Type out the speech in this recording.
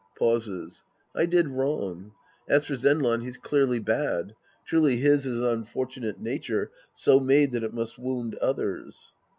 {Pauses.) I did wrong ; as for Zenran, he's clearly bad. Truly his is an unfortunate nature so made that it must wound others.